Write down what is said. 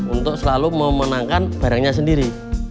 untuk selalu memenangkan barangnya sendiri